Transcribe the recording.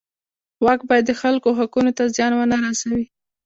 واک باید د خلکو حقونو ته زیان ونه رسوي.